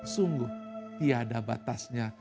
sungguh tiada batasnya